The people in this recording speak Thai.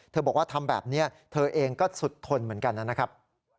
บอกว่าทำแบบนี้เธอเองก็สุดทนเหมือนกันนะครับ